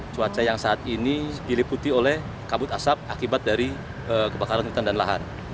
cuaca yang saat ini diliputi oleh kabut asap akibat dari kebakaran hutan dan lahan